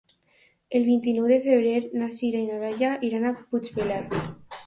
El vint-i-nou de febrer na Sira i na Laia iran a Puigpelat.